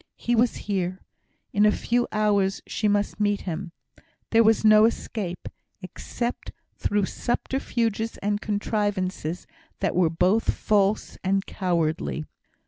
He was here. In a few hours she must meet him. There was no escape, except through subterfuges and contrivances that were both false and cowardly.